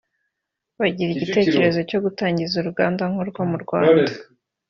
bagira igitekerezo cyo gutangiza uruganda nk’urwo mu Rwanda